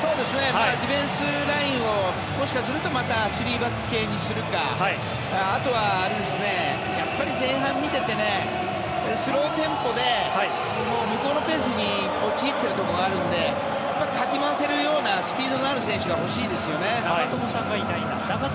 ディフェンスラインをもしかするとまた３バック系にするかあとはやっぱり前半を見ててスローテンポで向こうのペースに陥っているところがあるのでかき回せるようなスピードのある選手が長友さんがいないな。